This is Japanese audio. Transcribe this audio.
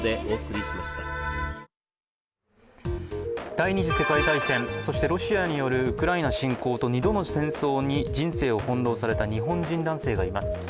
第二次世界大戦、そしてロシアによるウクライナ侵攻と、２度の戦争に人生を翻弄された日本人男性がいます。